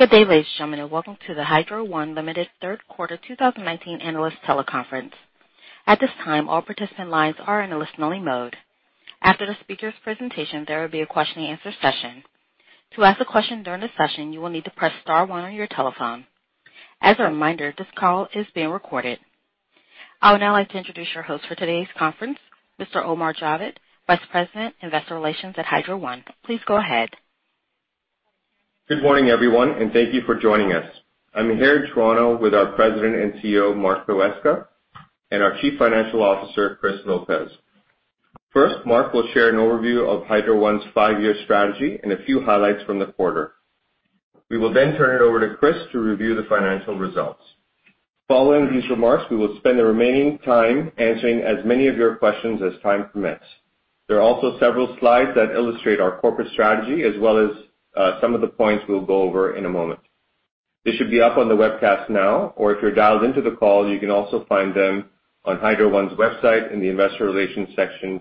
Good day, ladies and gentlemen, and welcome to the Hydro One Limited third quarter 2019 analyst teleconference. At this time, all participant lines are in a listening mode. After the speaker's presentation, there will be a question and answer session. To ask a question during the session, you will need to press star one on your telephone. As a reminder, this call is being recorded. I would now like to introduce your host for today's conference, Mr. Omar Javed, Vice President, Investor Relations at Hydro One. Please go ahead. Good morning, everyone. Thank you for joining us. I'm here in Toronto with our President and Chief Executive Officer, Mark Poweska, and our Chief Financial Officer, Chris Lopez. First, Mark will share an overview of Hydro One's five-year strategy and a few highlights from the quarter. We will turn it over to Chris to review the financial results. Following these remarks, we will spend the remaining time answering as many of your questions as time permits. There are also several slides that illustrate our corporate strategy as well as some of the points we'll go over in a moment. They should be up on the webcast now, or if you're dialed into the call, you can also find them on Hydro One's website in the investor relations section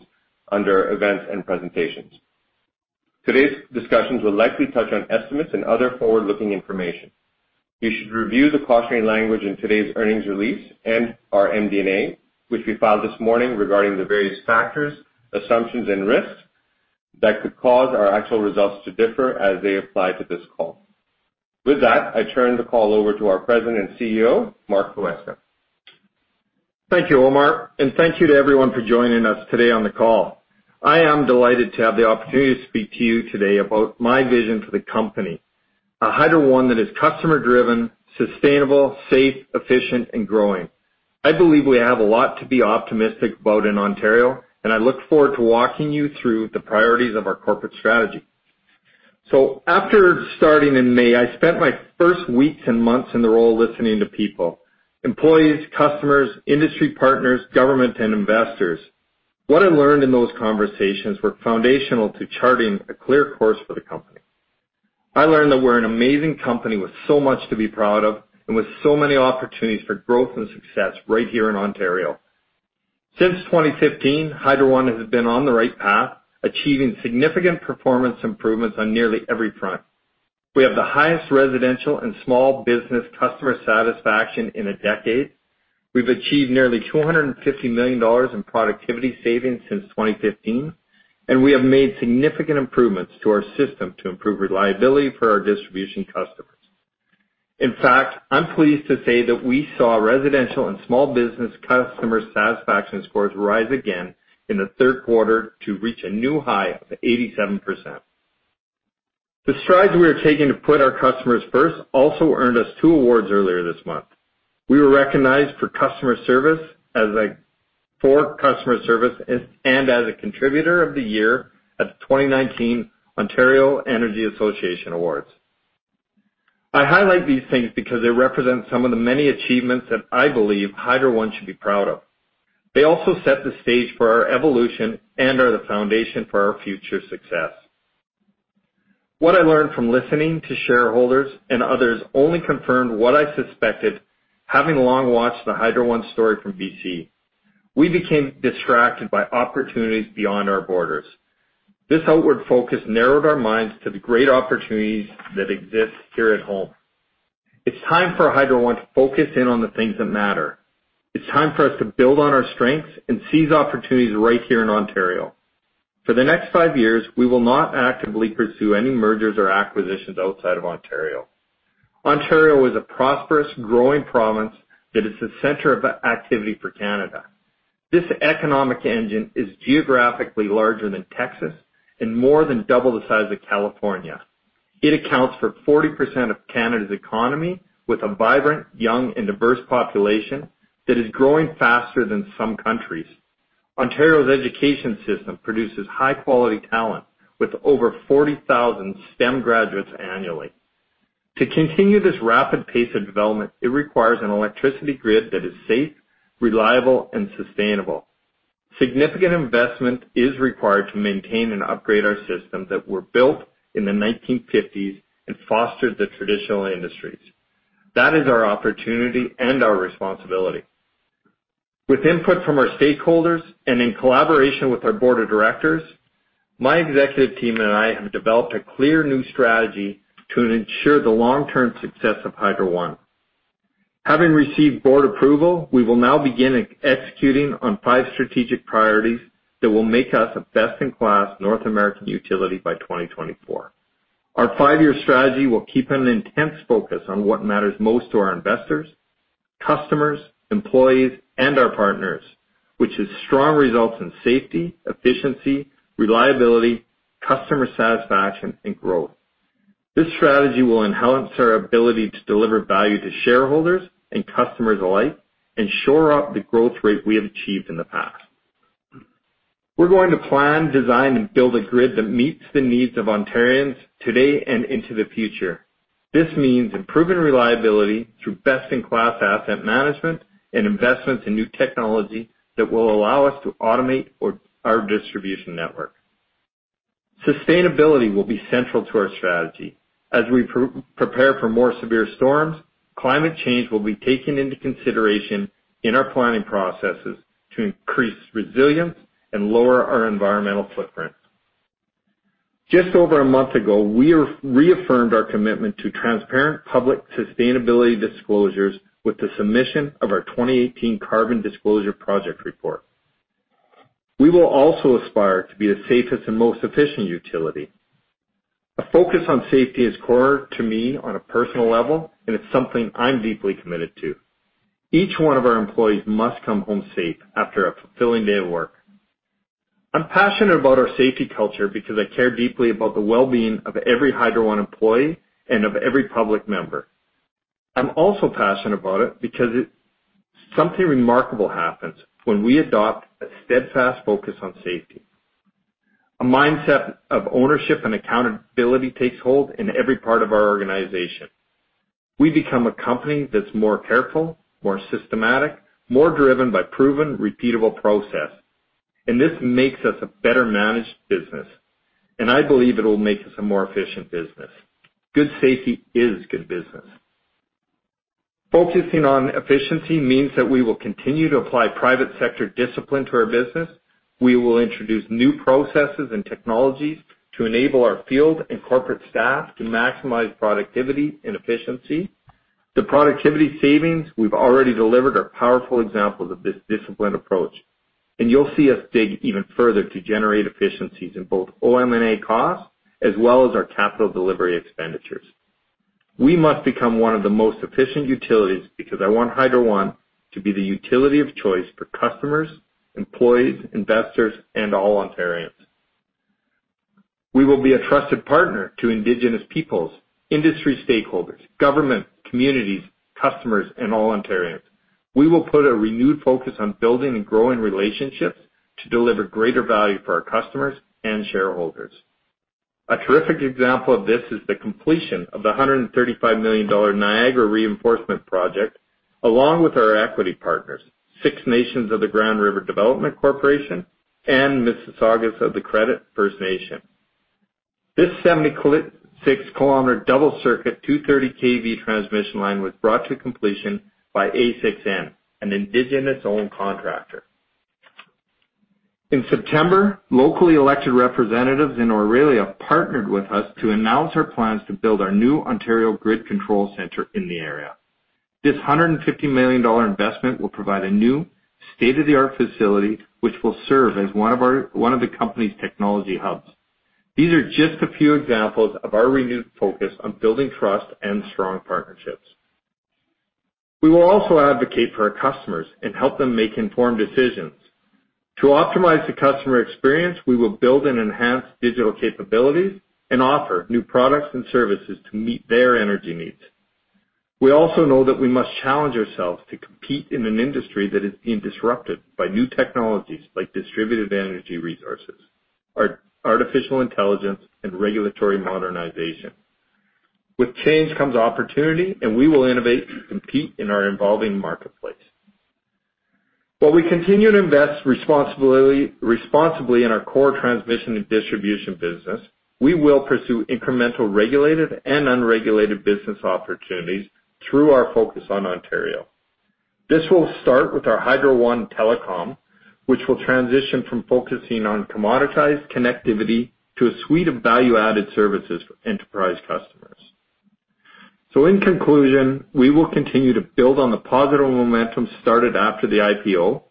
under events and presentations. Today's discussions will likely touch on estimates and other forward-looking information. You should review the cautionary language in today's earnings release and our MD&A, which we filed this morning, regarding the various factors, assumptions, and risks that could cause our actual results to differ as they apply to this call. With that, I turn the call over to our President and CEO, Mark Poweska. Thank you, Omar, and thank you to everyone for joining us today on the call. I am delighted to have the opportunity to speak to you today about my vision for the company, a Hydro One that is customer-driven, sustainable, safe, efficient, and growing. I believe we have a lot to be optimistic about in Ontario, and I look forward to walking you through the priorities of our corporate strategy. After starting in May, I spent my first weeks and months in the role listening to people, employees, customers, industry partners, government, and investors. What I learned in those conversations were foundational to charting a clear course for the company. I learned that we're an amazing company with so much to be proud of and with so many opportunities for growth and success right here in Ontario. Since 2015, Hydro One has been on the right path, achieving significant performance improvements on nearly every front. We have the highest residential and small business customer satisfaction in a decade. We've achieved nearly 250 million dollars in productivity savings since 2015, and we have made significant improvements to our system to improve reliability for our distribution customers. In fact, I'm pleased to say that we saw residential and small business customer satisfaction scores rise again in the third quarter to reach a new high of 87%. The strides we are taking to put our customers first also earned us two awards earlier this month. We were recognized for customer service and as a contributor of the year at the 2019 Ontario Energy Association Awards. I highlight these things because they represent some of the many achievements that I believe Hydro One should be proud of. They also set the stage for our evolution and are the foundation for our future success. What I learned from listening to shareholders and others only confirmed what I suspected, having long watched the Hydro One story from B.C. We became distracted by opportunities beyond our borders. This outward focus narrowed our minds to the great opportunities that exist here at home. It's time for Hydro One to focus in on the things that matter. It's time for us to build on our strengths and seize opportunities right here in Ontario. For the next five years, we will not actively pursue any mergers or acquisitions outside of Ontario. Ontario is a prosperous, growing province that is the center of activity for Canada. This economic engine is geographically larger than Texas and more than double the size of California. It accounts for 40% of Canada's economy, with a vibrant, young, and diverse population that is growing faster than some countries. Ontario's education system produces high-quality talent with over 40,000 STEM graduates annually. To continue this rapid pace of development, it requires an electricity grid that is safe, reliable, and sustainable. Significant investment is required to maintain and upgrade our systems that were built in the 1950s and fostered the traditional industries. That is our opportunity and our responsibility. With input from our stakeholders and in collaboration with our board of directors, my executive team and I have developed a clear new strategy to ensure the long-term success of Hydro One. Having received board approval, we will now begin executing on five strategic priorities that will make us a best-in-class North American utility by 2024. Our five-year strategy will keep an intense focus on what matters most to our investors, customers, employees, and our partners, which is strong results in safety, efficiency, reliability, customer satisfaction, and growth. This strategy will enhance our ability to deliver value to shareholders and customers alike and shore up the growth rate we have achieved in the past. We're going to plan, design, and build a grid that meets the needs of Ontarians today and into the future. This means improving reliability through best-in-class asset management and investments in new technology that will allow us to automate our distribution network. Sustainability will be central to our strategy as we prepare for more severe storms. Climate change will be taken into consideration in our planning processes to increase resilience and lower our environmental footprint. Just over a month ago, we reaffirmed our commitment to transparent public sustainability disclosures with the submission of our 2018 Carbon Disclosure Project report. We will also aspire to be the safest and most efficient utility. A focus on safety is core to me on a personal level, and it's something I'm deeply committed to. Each one of our employees must come home safe after a fulfilling day of work. I'm passionate about our safety culture because I care deeply about the well-being of every Hydro One employee and of every public member. I'm also passionate about it because something remarkable happens when we adopt a steadfast focus on safety. A mindset of ownership and accountability takes hold in every part of our organization. We become a company that's more careful, more systematic, more driven by proven repeatable process. This makes us a better-managed business, I believe it'll make us a more efficient business. Good safety is good business. Focusing on efficiency means that we will continue to apply private sector discipline to our business. We will introduce new processes and technologies to enable our field and corporate staff to maximize productivity and efficiency. The productivity savings we've already delivered are powerful examples of this disciplined approach. You'll see us dig even further to generate efficiencies in both OM&A costs, as well as our capital delivery expenditures. We must become one of the most efficient utilities because I want Hydro One to be the utility of choice for customers, employees, investors, and all Ontarians. We will be a trusted partner to Indigenous peoples, industry stakeholders, government, communities, customers, and all Ontarians. We will put a renewed focus on building and growing relationships to deliver greater value for our customers and shareholders. A terrific example of this is the completion of the 135 million dollar Niagara Reinforcement Line, along with our equity partners, Six Nations of the Grand River Development Corporation and Mississaugas of the Credit First Nation. This 76-kilometer double circuit, 230 kV transmission line was brought to completion by A6N, an Indigenous-owned contractor. In September, locally elected representatives in Orillia partnered with us to announce our plans to build our new Ontario Grid Control Centre in the area. This 150 million dollar investment will provide a new state-of-the-art facility, which will serve as one of the company's technology hubs. These are just a few examples of our renewed focus on building trust and strong partnerships. We will also advocate for our customers and help them make informed decisions. To optimize the customer experience, we will build and enhance digital capabilities and offer new products and services to meet their energy needs. We also know that we must challenge ourselves to compete in an industry that is being disrupted by new technologies like distributed energy resources, artificial intelligence, and regulatory modernization. With change comes opportunity, and we will innovate to compete in our evolving marketplace. While we continue to invest responsibly in our core transmission and distribution business, we will pursue incremental regulated and unregulated business opportunities through our focus on Ontario. This will start with our Hydro One Telecom, which will transition from focusing on commoditized connectivity to a suite of value-added services for enterprise customers. In conclusion, we will continue to build on the positive momentum started after the IPO.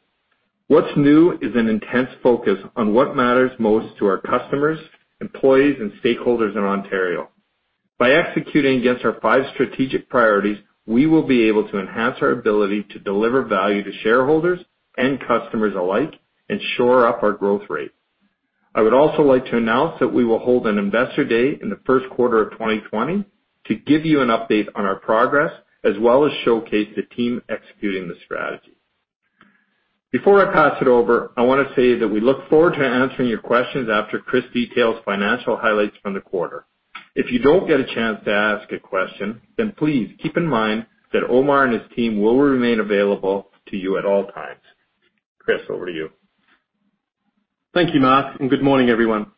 What's new is an intense focus on what matters most to our customers, employees, and stakeholders in Ontario. By executing against our five strategic priorities, we will be able to enhance our ability to deliver value to shareholders and customers alike and shore up our growth rate. I would also like to announce that we will hold an investor day in the first quarter of 2020 to give you an update on our progress, as well as showcase the team executing the strategy. Before I pass it over, I want to say that we look forward to answering your questions after Chris details financial highlights from the quarter. If you don't get a chance to ask a question, then please keep in mind that Omar and his team will remain available to you at all times. Chris, over to you. Thank you, Mark. Good morning, everyone.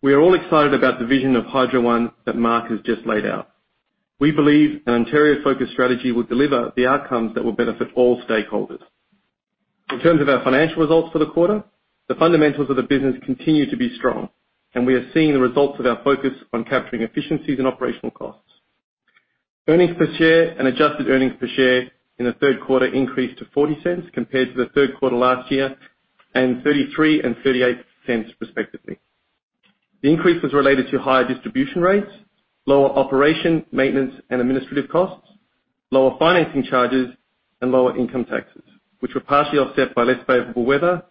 We are all excited about the vision of Hydro One that Mark has just laid out. We believe an Ontario-focused strategy will deliver the outcomes that will benefit all stakeholders. In terms of our financial results for the quarter, the fundamentals of the business continue to be strong, and we are seeing the results of our focus on capturing efficiencies in operational costs. Earnings per share and adjusted earnings per share in the third quarter increased to 0.40 compared to the third quarter last year, and 0.33 and 0.38 respectively. The increase was related to higher distribution rates, lower operation, maintenance, and administrative costs, lower financing charges, and lower income taxes, which were partially offset by less favorable weather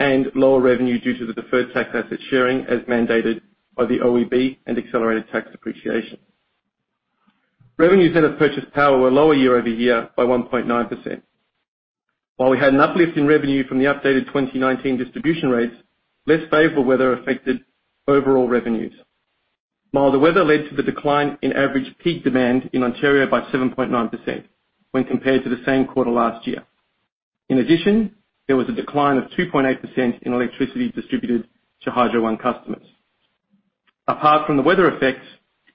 and lower revenue due to the deferred tax asset sharing as mandated by the OEB and accelerated tax depreciation. Revenues and the purchase power were lower year-over-year by 1.9%. While we had an uplift in revenue from the updated 2019 distribution rates, less favorable weather affected overall revenues. Milder weather led to the decline in average peak demand in Ontario by 7.9% when compared to the same quarter last year. In addition, there was a decline of 2.8% in electricity distributed to Hydro One customers. Apart from the weather effects,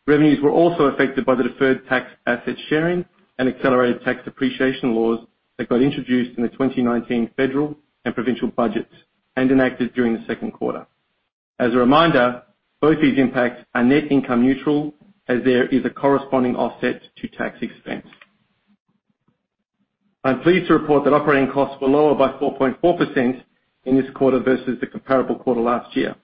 revenues were also affected by the deferred tax asset sharing and accelerated tax depreciation laws that got introduced in the 2019 federal and provincial budgets and enacted during the second quarter. As a reminder, both these impacts are net income neutral as there is a corresponding offset to tax expense. I'm pleased to report that operating costs were lower by 4.4% in this quarter versus the comparable quarter last year.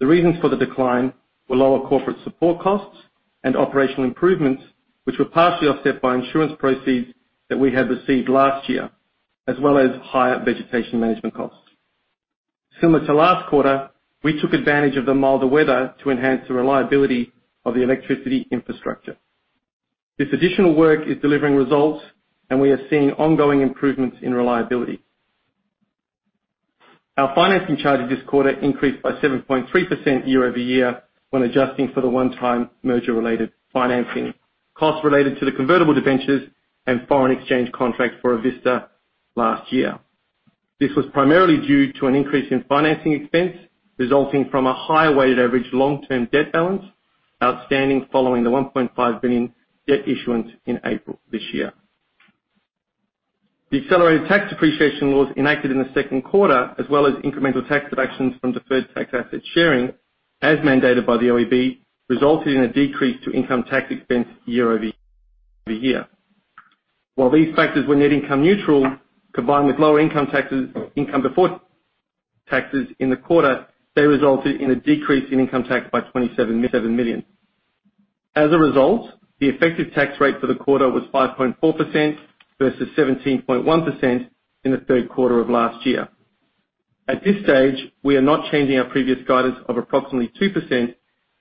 The reasons for the decline were lower corporate support costs and operational improvements, which were partially offset by insurance proceeds that we had received last year, as well as higher vegetation management costs. Similar to last quarter, we took advantage of the milder weather to enhance the reliability of the electricity infrastructure. This additional work is delivering results, and we are seeing ongoing improvements in reliability. Our financing charges this quarter increased by 7.3% year-over-year when adjusting for the one-time merger-related financing costs related to the convertible debentures and foreign exchange contract for Avista last year. This was primarily due to an increase in financing expense, resulting from a higher weighted average long-term debt balance outstanding following the 1.5 billion debt issuance in April this year. The accelerated tax depreciation laws enacted in the second quarter, as well as incremental tax deductions from deferred tax asset sharing, as mandated by the OEB, resulted in a decrease to income tax expense year-over-year. While these factors were net income neutral, combined with lower income before taxes in the quarter, they resulted in a decrease in income tax by 27 million. As a result, the effective tax rate for the quarter was 5.4% versus 17.1% in the third quarter of last year. At this stage, we are not changing our previous guidance of approximately 2%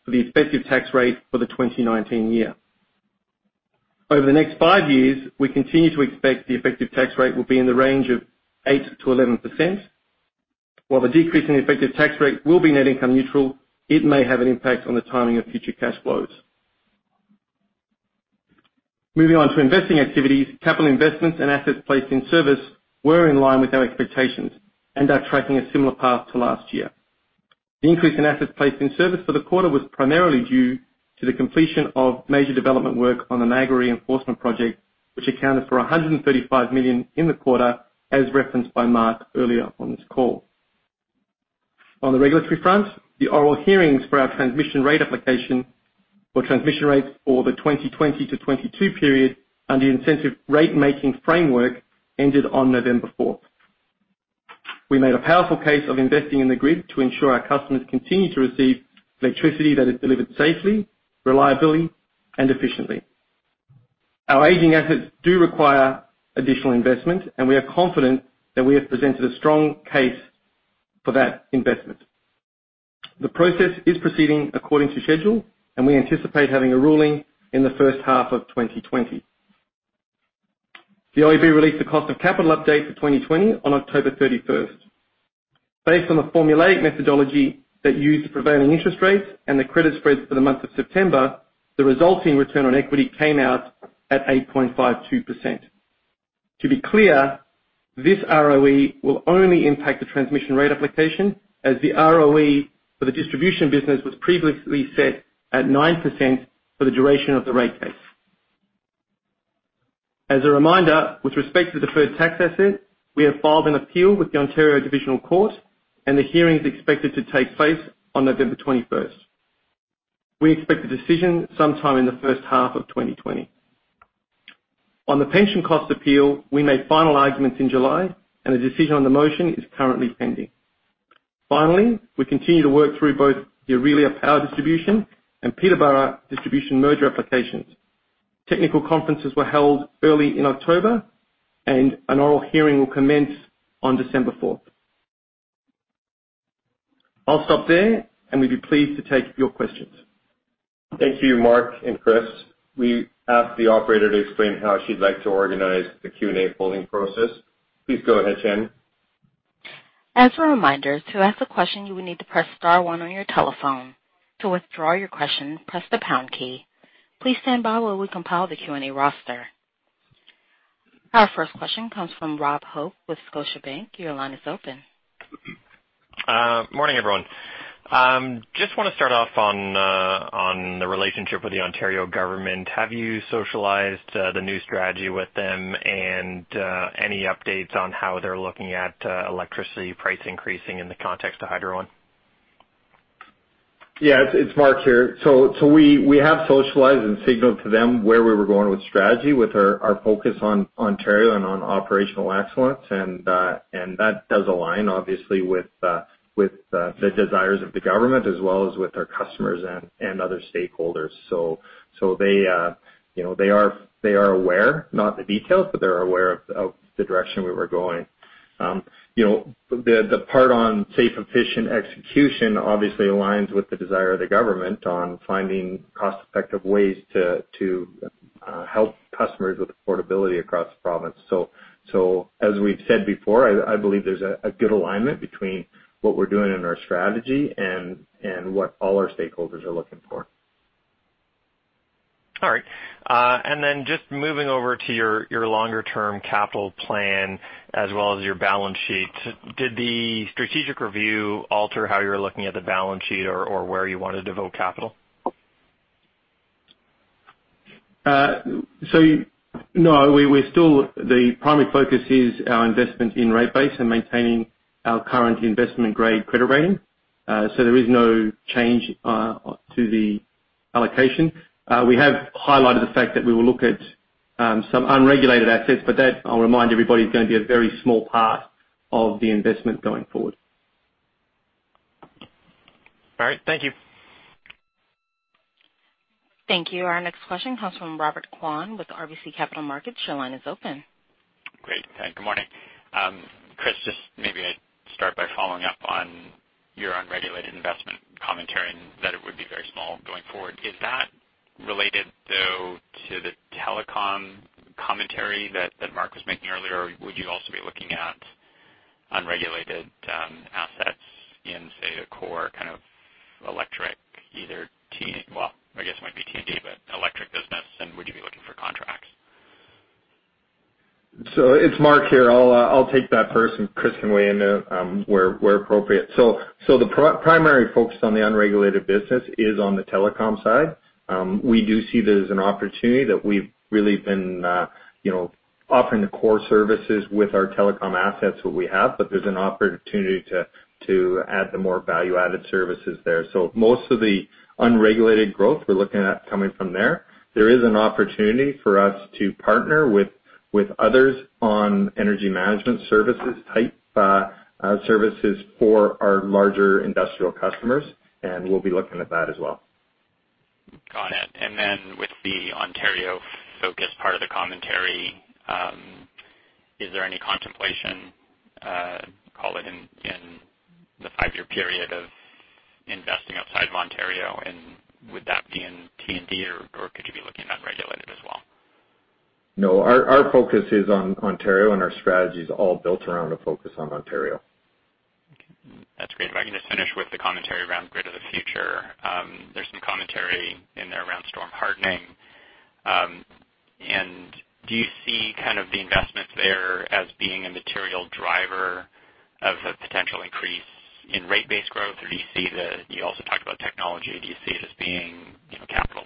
for the effective tax rate for the 2019 year. Over the next five years, we continue to expect the effective tax rate will be in the range of 8%-11%. While the decrease in effective tax rate will be net income neutral, it may have an impact on the timing of future cash flows. Moving on to investing activities, capital investments and assets placed in service were in line with our expectations and are tracking a similar path to last year. The increase in assets placed in service for the quarter was primarily due to the completion of major development work on the Niagara Reinforcement Line, which accounted for 135 million in the quarter, as referenced by Mark earlier on this call. On the regulatory front, the oral hearings for our transmission rate application for transmission rates for the 2020 to 2022 period and the incentive rate-making framework ended on November 4th. We made a powerful case of investing in the grid to ensure our customers continue to receive electricity that is delivered safely, reliably, and efficiently. Our aging assets do require additional investment, and we are confident that we have presented a strong case for that investment. The process is proceeding according to schedule, and we anticipate having a ruling in the first half of 2020. The OEB released the cost of capital update for 2020 on October 31st. Based on the formulaic methodology that used the prevailing interest rates and the credit spreads for the month of September, the resulting return on equity came out at 8.52%. To be clear, this ROE will only impact the transmission rate application, as the ROE for the distribution business was previously set at 9% for the duration of the rate case. As a reminder, with respect to deferred tax asset, we have filed an appeal with the Ontario Divisional Court, and the hearing is expected to take place on November 21st. We expect a decision sometime in the first half of 2020. On the pension cost appeal, we made final arguments in July, and the decision on the motion is currently pending. We continue to work through both the Orillia Power Distribution and Peterborough Distribution merger applications. Technical conferences were held early in October, and an oral hearing will commence on December 4th. I'll stop there, and we'd be pleased to take your questions. Thank you, Mark and Chris. We ask the operator to explain how she'd like to organize the Q&A polling process. Please go ahead, Jen. As a reminder, to ask a question, you will need to press star one on your telephone. To withdraw your question, press the pound key. Please stand by while we compile the Q&A roster. Our first question comes from Rob Hope with Scotiabank. Your line is open. Morning, everyone. Just want to start off on the relationship with the Ontario Government. Have you socialized the new strategy with them, and any updates on how they're looking at electricity price increasing in the context of Hydro One? Yeah, it's Mark here. We have socialized and signaled to them where we were going with strategy with our focus on Ontario and on operational excellence. That does align, obviously, with the desires of the government as well as with our customers and other stakeholders. They are aware, not the details, but they're aware of the direction we were going. The part on safe, efficient execution obviously aligns with the desire of the government on finding cost-effective ways to help customers with affordability across the province. As we've said before, I believe there's a good alignment between what we're doing in our strategy and what all our stakeholders are looking for. All right. Just moving over to your longer-term capital plan as well as your balance sheet. Did the strategic review alter how you're looking at the balance sheet or where you want to devote capital? No, the primary focus is our investment in rate base and maintaining our current investment-grade credit rating. There is no change to the allocation. We have highlighted the fact that we will look at some unregulated assets, but that, I will remind everybody, is going to be a very small part of the investment going forward. All right. Thank you. Thank you. Our next question comes from Robert Kwan with RBC Capital Markets. Your line is open. Great. Good morning. Chris, just maybe I'd start by following up on your unregulated investment commentary, and that it would be very small going forward. Is that related, though, to the telecom commentary that Mark was making earlier? Would you also be looking at unregulated assets in, say, the core kind of electric, either T&D, but electric business, and would you be looking for contracts? It's Mark here. I'll take that first, and Chris can weigh in where appropriate. The primary focus on the unregulated business is on the telecom side. We do see there's an opportunity that we've really been offering the core services with our telecom assets, what we have, but there's an opportunity to add the more value-added services there. Most of the unregulated growth we're looking at coming from there. There is an opportunity for us to partner with others on energy management services type services for our larger industrial customers, and we'll be looking at that as well. Got it. Then with the Ontario-focused part of the commentary, is there any contemplation, call it in the five-year period of investing outside of Ontario? Would that be in T&D, or could you be looking at regulated as well? No, our focus is on Ontario, and our strategy is all built around a focus on Ontario. Okay. That's great. If I can just finish with the commentary around Grid of the Future. There's some commentary in there around storm hardening. Do you see kind of the investments there as being a material driver of a potential increase in rate base growth? You also talked about technology. Do you see it as being capital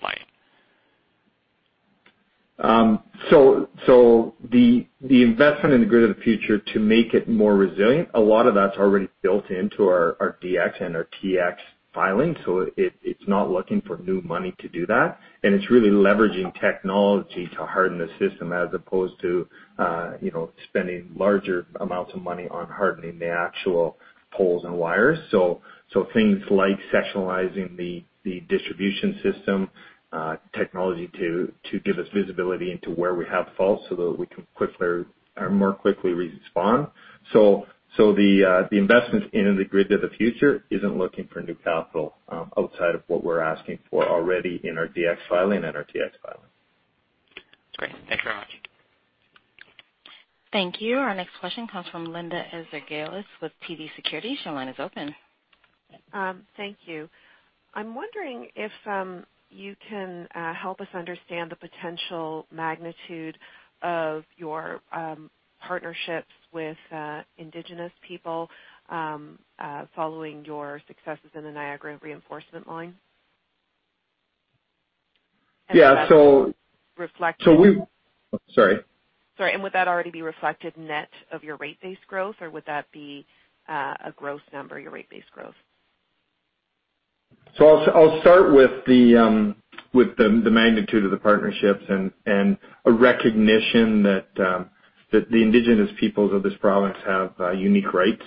light? The investment in the Grid of the Future to make it more resilient, a lot of that's already built into our DX and our TX filing. It's really leveraging technology to harden the system as opposed to spending larger amounts of money on hardening the actual poles and wires. Things like sectionalizing the distribution system, technology to give us visibility into where we have faults so that we can more quickly respond. The investments in the Grid of the Future isn't looking for new capital outside of what we're asking for already in our DX filing and our TX filing. Great. Thanks very much. Thank you. Our next question comes from Linda Ezergailis with TD Securities. Your line is open. Thank you. I'm wondering if you can help us understand the potential magnitude of your partnerships with Indigenous people following your successes in the Niagara Reinforcement Line. Yeah. Reflect- we Sorry. Sorry. Would that already be reflected net of your rate base growth, or would that be a gross number, your rate base growth? I'll start with the magnitude of the partnerships and a recognition that the Indigenous peoples of this province have unique rights.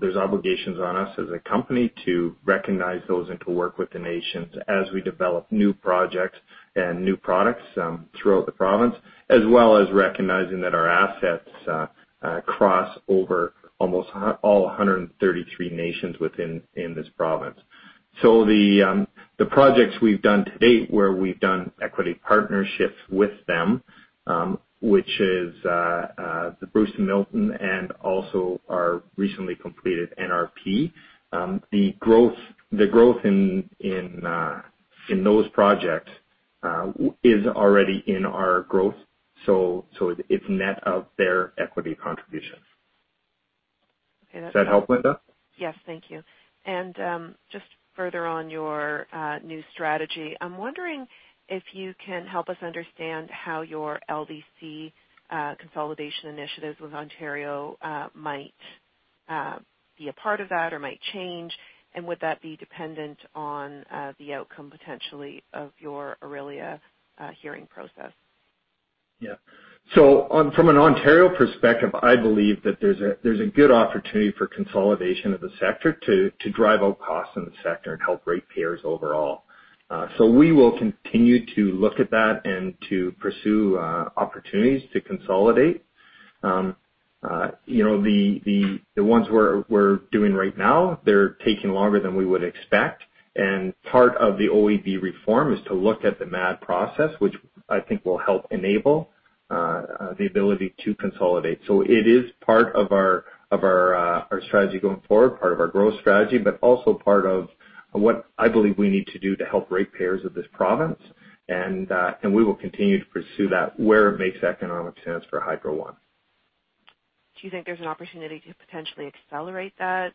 There's obligations on us as a company to recognize those and to work with the nations as we develop new projects and new products throughout the province, as well as recognizing that our assets cross over almost all 133 nations within this province. The projects we've done to date where we've done equity partnerships with them, which is the Bruce to Milton and also our recently completed NRP. The growth in those projects is already in our growth, so it's net of their equity contributions. Okay, that's- Does that help, Linda? Yes. Thank you. Just further on your new strategy, I'm wondering if you can help us understand how your LDC consolidation initiatives with Ontario might be a part of that or might change, and would that be dependent on the outcome, potentially, of your Orillia hearing process? From an Ontario perspective, I believe that there's a good opportunity for consolidation of the sector to drive out costs in the sector and help ratepayers overall. We will continue to look at that and to pursue opportunities to consolidate. The ones we're doing right now, they're taking longer than we would expect. Part of the OEB reform is to look at the MAAD process, which I think will help enable the ability to consolidate. It is part of our strategy going forward, part of our growth strategy, but also part of what I believe we need to do to help ratepayers of this province, and we will continue to pursue that where it makes economic sense for Hydro One. Do you think there's an opportunity to potentially accelerate that,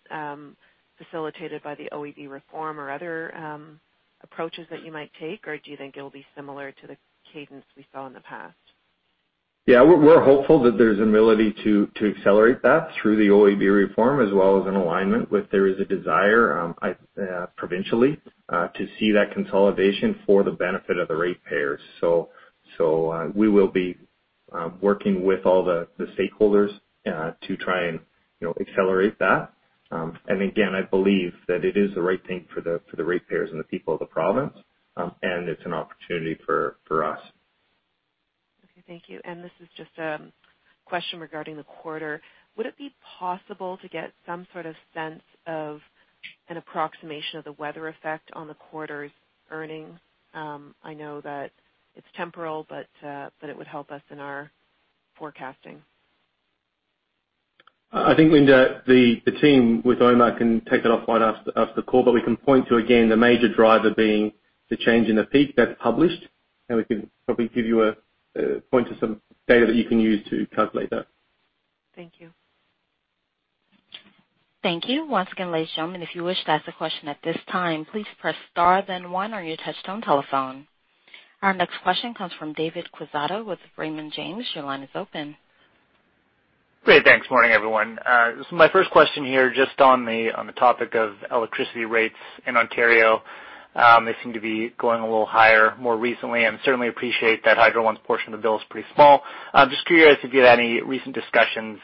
facilitated by the OEB reform or other approaches that you might take? Or do you think it'll be similar to the cadence we saw in the past? Yeah. We're hopeful that there's an ability to accelerate that through the OEB reform as well as an alignment with, there is a desire, provincially, to see that consolidation for the benefit of the ratepayers. We will be working with all the stakeholders to try and accelerate that. Again, I believe that it is the right thing for the ratepayers and the people of the province, and it's an opportunity for us. Okay, thank you. This is just a question regarding the quarter. Would it be possible to get some sort of sense of an approximation of the weather effect on the quarter's earnings? I know that it's temporal, it would help us in our forecasting. I think, Linda, the team with Omar can take that offline after the call, but we can point to, again, the major driver being the change in the peak that's published, and we can probably point to some data that you can use to calculate that. Thank you. Thank you. Once again, ladies and gentlemen, if you wish to ask a question at this time, please press star then one on your touchtone telephone. Our next question comes from David Quezada with Raymond James. Your line is open. Great. Thanks. Morning, everyone. My first question here, just on the topic of electricity rates in Ontario. They seem to be going a little higher more recently, and certainly appreciate that Hydro One's portion of the bill is pretty small. Just curious if you had any recent discussions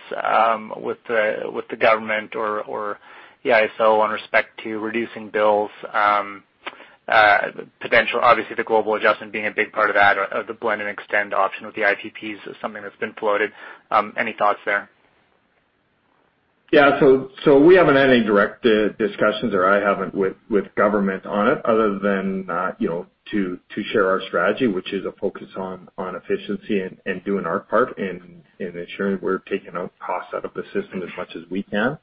with the government or the IESO on respect to reducing bills potential. Obviously, the global adjustment being a big part of that, or the blend and extend option with the IPPs is something that's been floated. Any thoughts there? Yeah. We haven't had any direct discussions, or I haven't, with government on it other than to share our strategy, which is a focus on efficiency and doing our part in ensuring we're taking out costs out of the system as much as we can.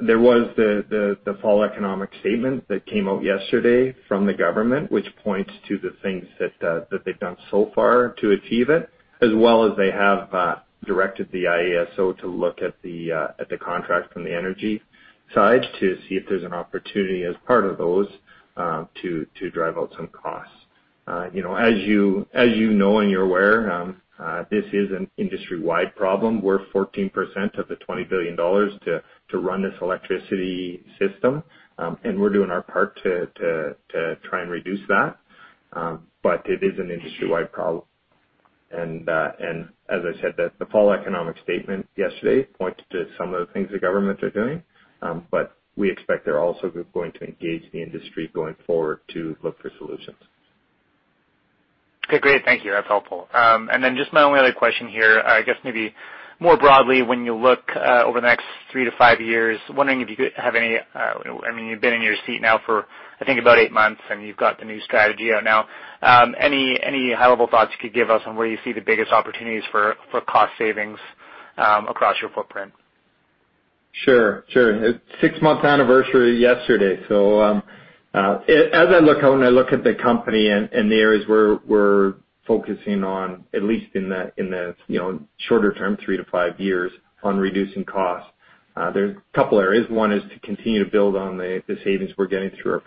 There was the fall economic statement that came out yesterday from the government, which points to the things that they've done so far to achieve it, as well as they have directed the IESO to look at the contracts from the energy side to see if there's an opportunity as part of those to drive out some costs. As you know and you're aware, this is an industry-wide problem. We're 14% of the 20 billion dollars to run this electricity system. We're doing our part to try and reduce that. It is an industry-wide problem. As I said, the Fall Economic Statement yesterday pointed to some of the things the government are doing. We expect they're also going to engage the industry going forward to look for solutions. Okay, great. Thank you. That's helpful. Then just my only other question here, I guess maybe more broadly, when you look over the next three to five years. You've been in your seat now for, I think, about eight months, and you've got the new strategy out now. Any high-level thoughts you could give us on where you see the biggest opportunities for cost savings across your footprint? Sure. Six-month anniversary yesterday. As I look out and I look at the company and the areas where we're focusing on, at least in the shorter term, three to five years, on reducing costs, there's a couple areas. One is to continue to build on the savings we're getting through our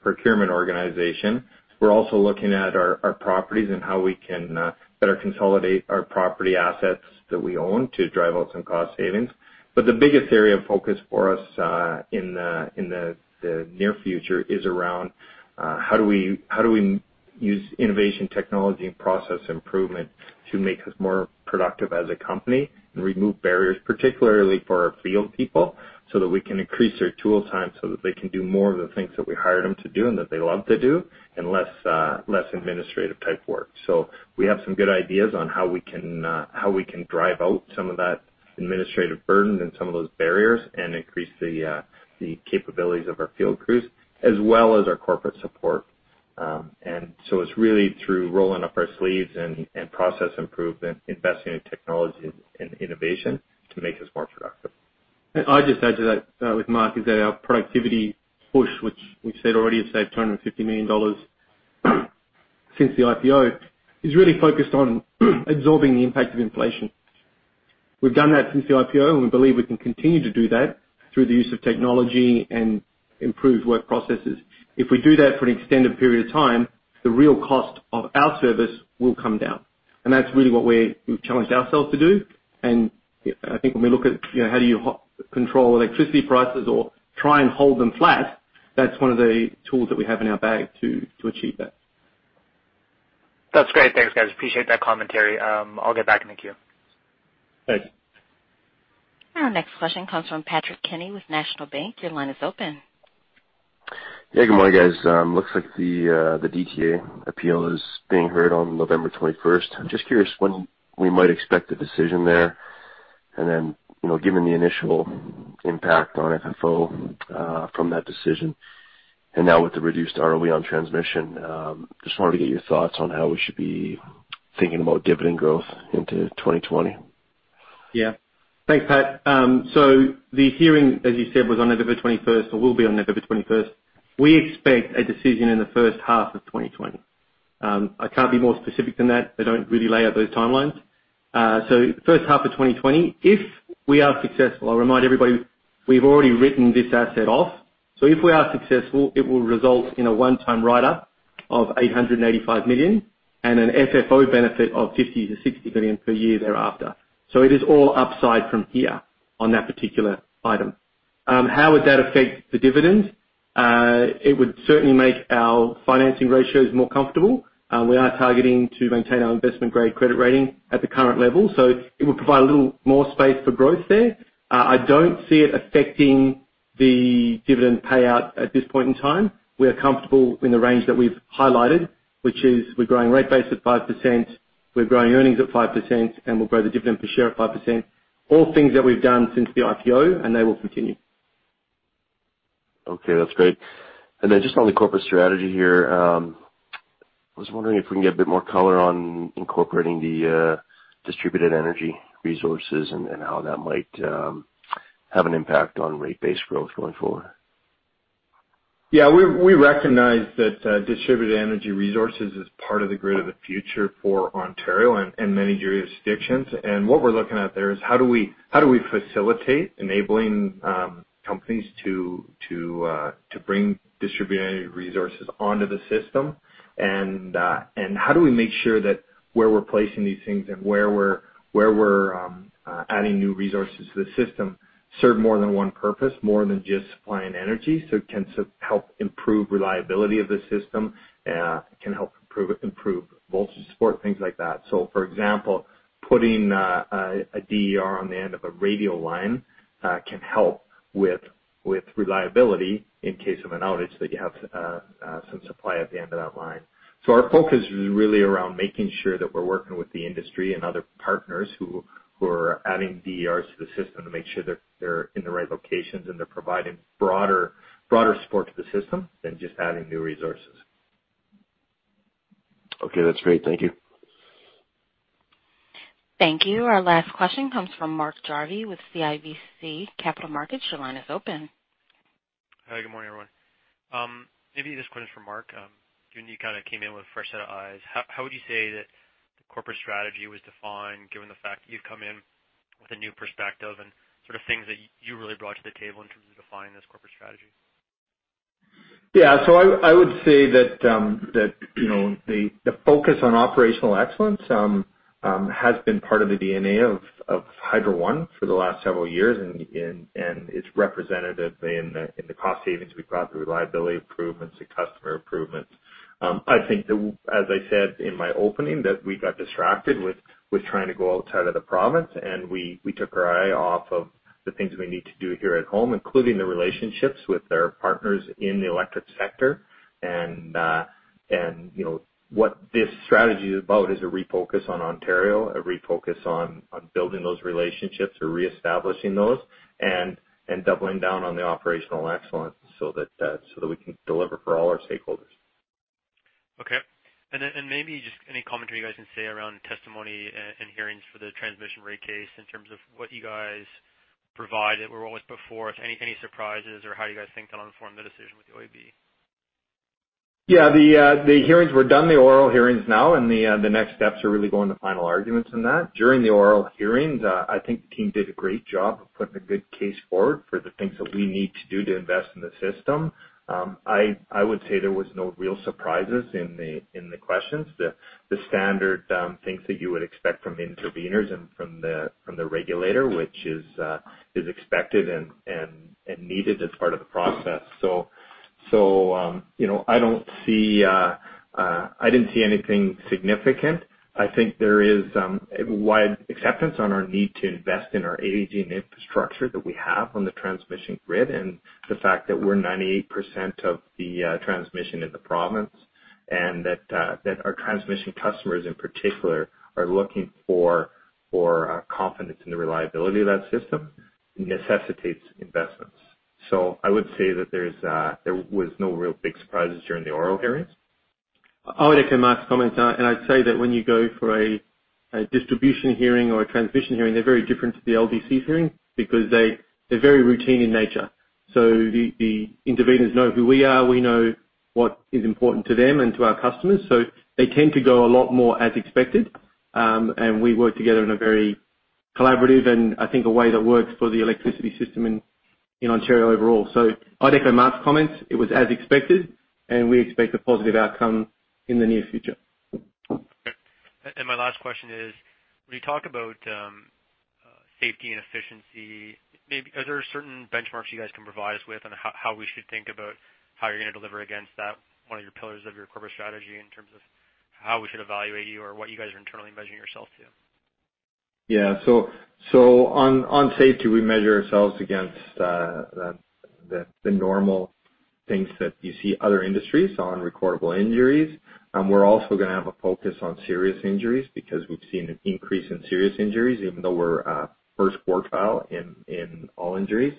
procurement organization. We're also looking at our properties and how we can better consolidate our property assets that we own to drive out some cost savings. The biggest area of focus for us in the near future is around how do we use innovation technology and process improvement to make us more productive as a company and remove barriers, particularly for our field people, so that we can increase their tool time so that they can do more of the things that we hired them to do and that they love to do, and less administrative-type work. We have some good ideas on how we can drive out some of that administrative burden and some of those barriers and increase the capabilities of our field crews as well as our corporate support. It's really through rolling up our sleeves and process improvement, investing in technology and innovation to make us more productive. I'd just add to that with Mark, is that our productivity push, which we've said already has saved 250 million dollars since the IPO, is really focused on absorbing the impact of inflation. We've done that since the IPO, and we believe we can continue to do that through the use of technology and improved work processes. If we do that for an extended period of time, the real cost of our service will come down, and that's really what we've challenged ourselves to do. I think when we look at how do you control electricity prices or try and hold them flat, that's one of the tools that we have in our bag to achieve that. That's great. Thanks, guys. Appreciate that commentary. I'll get back in the queue. Thanks. Our next question comes from Patrick Kenny with National Bank. Your line is open. Good morning, guys. Looks like the DTA appeal is being heard on November 21st. I'm just curious when we might expect a decision there. Given the initial impact on FFO from that decision, and now with the reduced ROE on transmission, just wanted to get your thoughts on how we should be thinking about dividend growth into 2020. Yeah. Thanks, Pat. The hearing, as you said, was on November 21st or will be on November 21st. We expect a decision in the first half of 2020. I can't be more specific than that. They don't really lay out those timelines. The first half of 2020, if we are successful, I'll remind everybody, we've already written this asset off, so if we are successful, it will result in a one-time write-up of 885 million and an FFO benefit of 50 million-60 million per year thereafter. It is all upside from here on that particular item. How would that affect the dividend? It would certainly make our financing ratios more comfortable. We are targeting to maintain our investment-grade credit rating at the current level, so it would provide a little more space for growth there. I don't see it affecting the dividend payout at this point in time. We are comfortable in the range that we've highlighted, which is we're growing rate base at 5%, we're growing earnings at 5%, and we'll grow the dividend per share at 5%. All things that we've done since the IPO, and they will continue. Okay, that's great. Just on the corporate strategy here, I was wondering if we can get a bit more color on incorporating the distributed energy resources and how that might have an impact on rate base growth going forward. Yeah, we recognize that distributed energy resources is part of the grid of the future for Ontario and many jurisdictions. What we're looking at there is how do we facilitate enabling companies to bring distributed energy resources onto the system and how do we make sure that where we're placing these things and where we're adding new resources to the system serve more than one purpose, more than just supplying energy. It can help improve reliability of the system, can help improve voltage support, things like that. For example, putting a DER on the end of a radial line can help with reliability in case of an outage that you have some supply at the end of that line. Our focus is really around making sure that we're working with the industry and other partners who are adding DERs to the system to make sure they're in the right locations, and they're providing broader support to the system than just adding new resources. Okay, that's great. Thank you. Thank you. Our last question comes from Mark Jarvi with CIBC Capital Markets. Your line is open. Hi, good morning, everyone. Maybe this question is for Mark, given you kind of came in with a fresh set of eyes, how would you say that the corporate strategy was defined, given the fact that you've come in with a new perspective and sort of things that you really brought to the table in terms of defining this corporate strategy? Yeah. I would say that the focus on operational excellence has been part of the DNA of Hydro One for the last several years, and it's representative in the cost savings we've got, the reliability improvements, the customer improvements. I think, as I said in my opening, that we got distracted with trying to go outside of the province, and we took our eye off of the things we need to do here at home, including the relationships with our partners in the electric sector. What this strategy is about is a refocus on Ontario, a refocus on building those relationships or reestablishing those and doubling down on the operational excellence so that we can deliver for all our stakeholders. Okay. Maybe just any commentary you guys can say around testimony and hearings for the transmission rate case in terms of what you guys provided, were always put forth, any surprises or how you guys think that'll inform the decision with the OEB? Yeah. The hearings were done, the oral hearings now. The next steps are really going to final arguments in that. During the oral hearings, I think the team did a great job of putting a good case forward for the things that we need to do to invest in the system. I would say there was no real surprises in the questions. The standard things that you would expect from intervenors and from the regulator, which is expected and needed as part of the process. I didn't see anything significant. I think there is a wide acceptance on our need to invest in our aging infrastructure that we have on the transmission grid, and the fact that we're 98% of the transmission in the province, and that our transmission customers in particular are looking for confidence in the reliability of that system necessitates investments. I would say that there was no real big surprises during the oral hearings. I would echo Mark's comments. I'd say that when you go for a distribution hearing or a transmission hearing, they're very different to the LDC hearing because they're very routine in nature. The intervenors know who we are, we know what is important to them and to our customers. They tend to go a lot more as expected. We work together in a very collaborative and I think a way that works for the electricity system in Ontario overall. I'd echo Mark's comments. It was as expected, and we expect a positive outcome in the near future. Okay. My last question is, when you talk about safety and efficiency, are there certain benchmarks you guys can provide us with on how we should think about how you're going to deliver against that, one of your pillars of your corporate strategy in terms of how we should evaluate you or what you guys are internally measuring yourself to? Yeah. On safety, we measure ourselves against the normal things that you see other industries on, recordable injuries. We're also going to have a focus on serious injuries because we've seen an increase in serious injuries, even though we're first quartile in all injuries.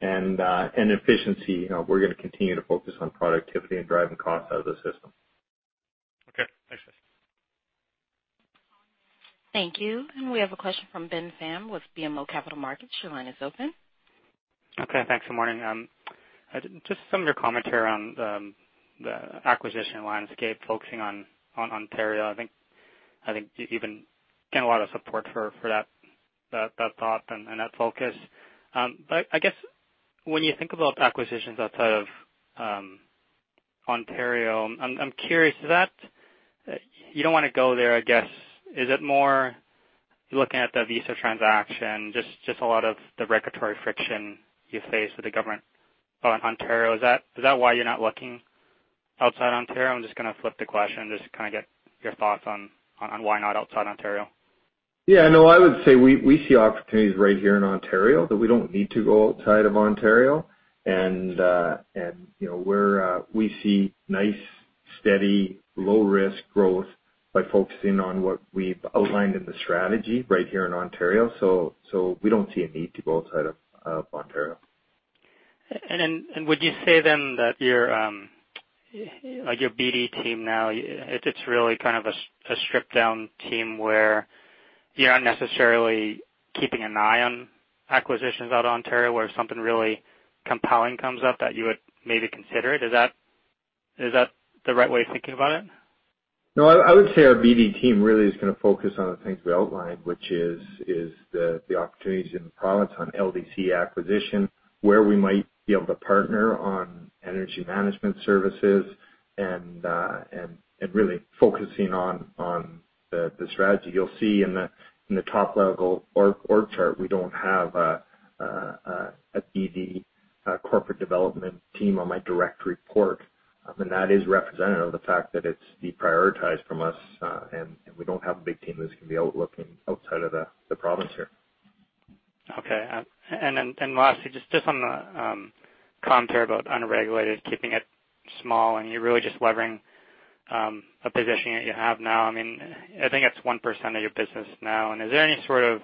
Efficiency, we're going to continue to focus on productivity and driving costs out of the system. Okay. Thanks, guys. Thank you. We have a question from Ben Pham with BMO Capital Markets. Your line is open. Okay, thanks. Good morning. Just some of your commentary on the acquisition landscape, focusing on Ontario. I think you've been getting a lot of support for that thought and that focus. I guess when you think about acquisitions outside of Ontario, I'm curious. You don't want to go there, I guess. Is it more you're looking at the Avista transaction, just a lot of the regulatory friction you face with the government on Ontario? Is that why you're not looking outside Ontario? I'm just going to flip the question, just to kind of get your thoughts on why not outside Ontario. Yeah. No, I would say we see opportunities right here in Ontario, that we don't need to go outside of Ontario. We see nice, steady, low-risk growth by focusing on what we've outlined in the strategy right here in Ontario. We don't see a need to go outside of Ontario. Would you say then that your BD team now, it's really kind of a stripped-down team where you're not necessarily keeping an eye on acquisitions out of Ontario, where if something really compelling comes up that you would maybe consider it. Is that the right way of thinking about it? No, I would say our BD team really is going to focus on the things we outlined, which is the opportunities in the province on LDC acquisition, where we might be able to partner on energy management services and really focusing on the strategy. You'll see in the top-level org chart, we don't have a BD corporate development team on my direct report. That is representative of the fact that it's deprioritized from us, and we don't have a big team that's going to be looking outside of the province here. Okay. Lastly, just on the commentary about unregulated, keeping it small, and you're really just levering a position that you have now. I think it's 1% of your business now. Is there any sort of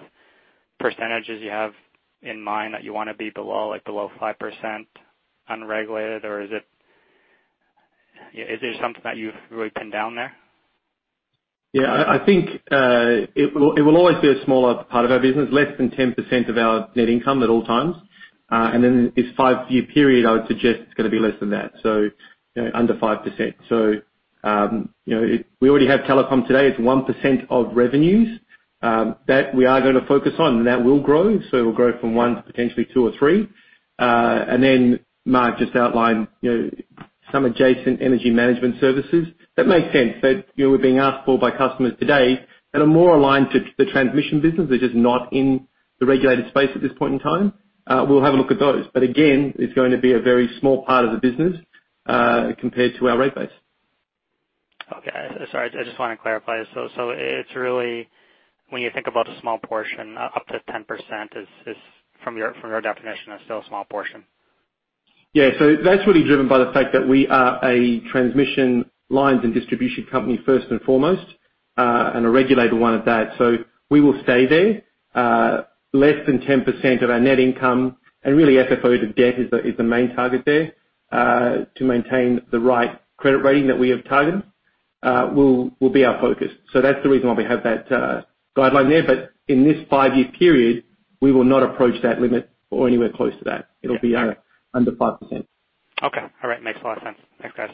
percentages you have in mind that you want to be below, like below 5% unregulated? Is there something that you've really pinned down there? I think it will always be a smaller part of our business, less than 10% of our net income at all times. This five-year period, I would suggest it's going to be less than that, so under 5%. We already have telecom today. It's 1% of revenues that we are going to focus on, and that will grow. It will grow from one to potentially two or three. Mark just outlined some adjacent energy management services that make sense, that we're being asked for by customers today that are more aligned to the transmission business. They're just not in the regulated space at this point in time. We'll have a look at those. Again, it's going to be a very small part of the business compared to our rate base. Okay. Sorry, I just want to clarify. It's really, when you think about a small portion, up to 10% from your definition is still a small portion. Yeah. That's really driven by the fact that we are a transmission lines and distribution company first and foremost and a regulated one at that. We will stay there. Less than 10% of our net income and really FFO to debt is the main target there to maintain the right credit rating that we have targeted will be our focus. That's the reason why we have that guideline there. But in this five-year period, we will not approach that limit or anywhere close to that. It'll be under 5%. Okay. All right. Makes a lot of sense. Thanks, guys.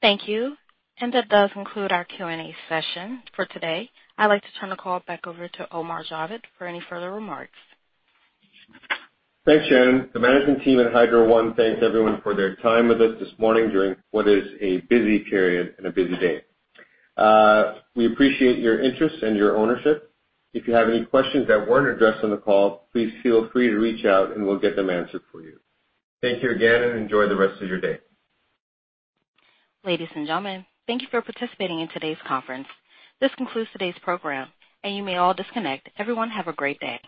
Thank you. That does conclude our Q&A session for today. I'd like to turn the call back over to Omar Javed for any further remarks. Thanks, Shannon. The management team at Hydro One thanks everyone for their time with us this morning during what is a busy period and a busy day. We appreciate your interest and your ownership. If you have any questions that weren't addressed on the call, please feel free to reach out and we'll get them answered for you. Thank you again, and enjoy the rest of your day. Ladies and gentlemen, thank you for participating in today's conference. This concludes today's program, and you may all disconnect. Everyone have a great day.